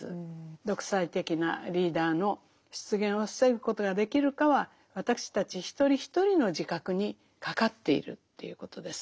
独裁的なリーダーの出現を防ぐことができるかは私たち一人一人の自覚にかかっているということです。